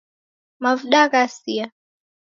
Mavuda ghasia